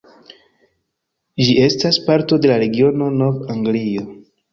Ĝi estas parto de la regiono Nov-Anglio.